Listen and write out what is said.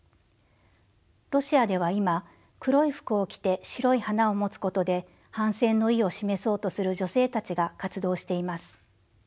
ロシアでは今黒い服を着て白い花を持つことで反戦の意を示そうとする女性たちが活動しています。